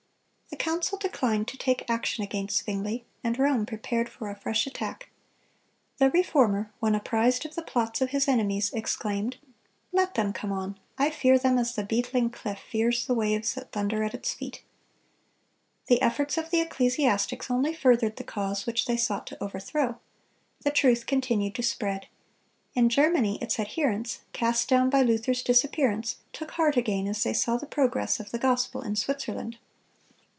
The council declined to take action against Zwingle, and Rome prepared for a fresh attack. The Reformer, when apprised of the plots of his enemies, exclaimed, "Let them come on; I fear them as the beetling cliff fears the waves that thunder at its feet."(258) The efforts of the ecclesiastics only furthered the cause which they sought to overthrow. The truth continued to spread. In Germany its adherents, cast down by Luther's disappearance, took heart again, as they saw the progress of the gospel in Switzerland.